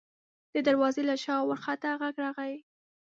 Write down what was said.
د دروازې له شا وارخطا غږ راغی: